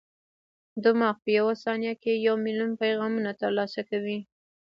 دماغ په یوه ثانیه کې یو ملیون پیغامونه ترلاسه کوي.